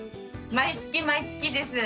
毎月毎月です。